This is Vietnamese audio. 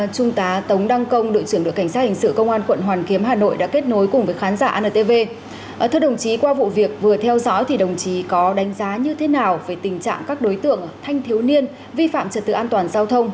các lực lượng thanh thiếu niên vi phạm trật tự an toàn giao thông